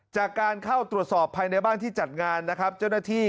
จากการเข้าตรวจสอบภายในบ้านที่จัดงานนะครับเจ้าหน้าที่